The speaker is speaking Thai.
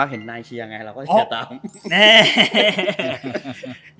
เห็นนายเชียร์ไงเราก็เชียร์ตามแน่